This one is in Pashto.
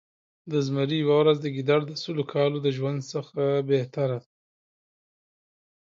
د زمري يؤه ورځ د ګیدړ د سلو کالو د ژؤند نه بهتره ده